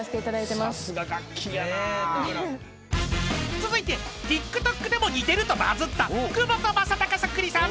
［続いてＴｉｋＴｏｋでも似てるとバズった窪田正孝そっくりさん］